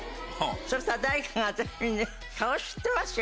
そしたら誰かが私にね顔知ってますよ